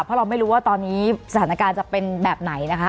เพราะเราไม่รู้ว่าตอนนี้สถานการณ์จะเป็นแบบไหนนะคะ